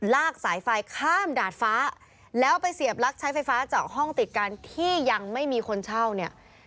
สายไฟข้ามดาดฟ้าแล้วไปเสียบลักใช้ไฟฟ้าจากห้องติดกันที่ยังไม่มีคนเช่าเนี่ย